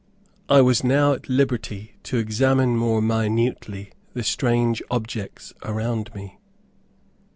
I was now at liberty to examine more minutely the strange objects around me.